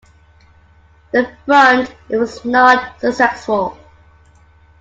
The Front was not successful.